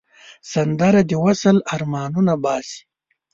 سندره د وصل آرمانونه باسي